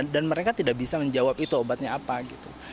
dan mereka tidak bisa menjawab itu obatnya apa gitu